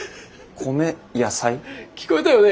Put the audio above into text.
聞こえたよね？